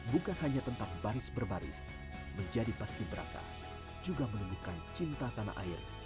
bukan hanya tentang baris berbaris menjadi paski beraka juga menumbuhkan cinta tanah air